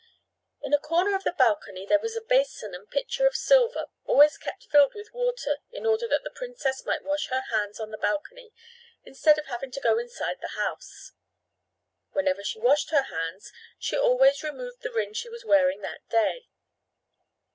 In a corner of the balcony there was a basin and pitcher of silver always kept filled with water in order that the princess might wash her hands on the balcony instead of having to go inside the house. Whenever she washed her hands she always removed the ring she was wearing that day.